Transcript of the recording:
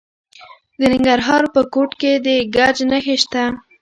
د ننګرهار په کوټ کې د ګچ نښې شته.